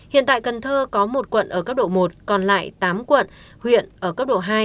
hiện tại cần thơ có một quận ở cấp độ một còn lại tám quận huyện ở cấp độ hai